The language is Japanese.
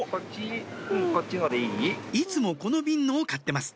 いつもこの瓶のを買ってます